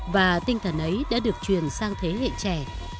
và tinh thần ấy đã được truyền sang thế hệ trẻ